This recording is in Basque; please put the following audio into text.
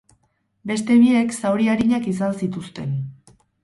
Beste biek, zauri arinak izan zituzten.